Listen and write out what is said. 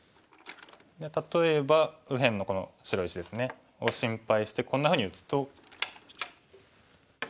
例えば右辺のこの白石ですねを心配してこんなふうに打つと。